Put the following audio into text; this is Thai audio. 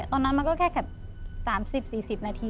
ตอนนั้นมันก็แค่๓๐๔๐นาที